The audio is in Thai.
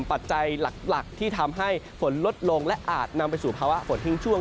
ปัจจัยหลักที่ทำให้ฝนลดลงและอาจนำไปสู่ภาวะฝนทิ้งช่วง